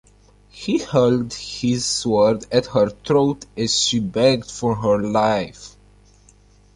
He held his sword at her throat as she begged for her life.